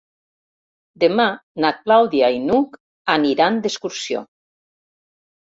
Demà na Clàudia i n'Hug aniran d'excursió.